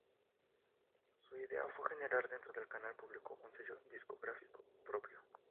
Su idea fue generar dentro del canal público un sello discográfico propio.